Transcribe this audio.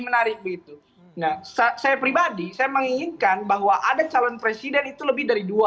menarik begitu nah saya pribadi saya menginginkan bahwa ada calon presiden itu lebih dari dua